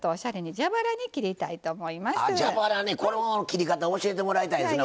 蛇腹ねこの切り方教えてもらいたいですな。